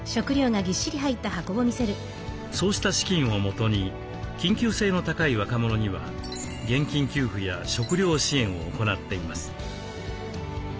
そうした資金をもとに緊急性の高い若者には現金給付や食料支援を行っています。